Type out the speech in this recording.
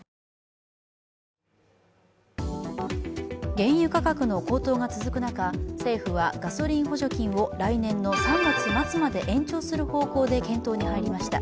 原油価格の高騰が続く中、政府はガソリン補助金を来年の３月末まで延長する方向で検討に入りました。